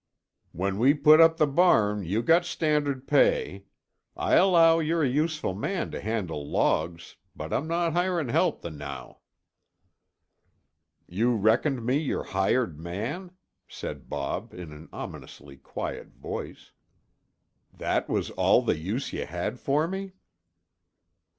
"When we put up the barn ye got stan'ard pay. I allow ye're a useful man to handle logs, but I'm no' hiring help the noo." "You reckoned me your hired man?" said Bob in an ominously quiet voice. "That was all the use you had for me?"